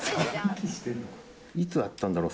いつ会ったんだろ？